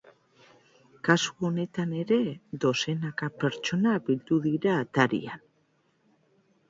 Kasu honetan ere, dozenaka pertsona bildu dira atarian.